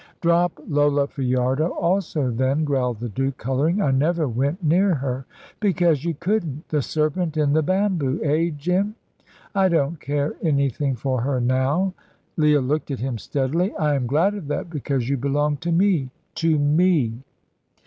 "Drop Lola Fajardo also, then," growled the Duke, colouring. "I never went near her." "Because you couldn't. The serpent in the bamboo eh, Jim?" "I don't care anything for her now." Leah looked at him steadily. "I am glad of that, because you belong to me to me."